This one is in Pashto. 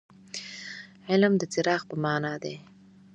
علم د څراغ په معنا دي.